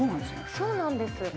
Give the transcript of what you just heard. そうなんです。